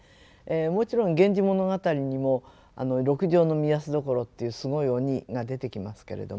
もちろん「源氏物語」にも六条御息所っていうすごい鬼が出てきますけれども。